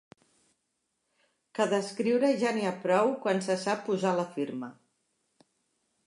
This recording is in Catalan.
Que d'escriure ja n'hi ha prou quan se sap posar la firma.